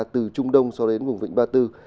từ trung đông so đến vùng vịnh ba tư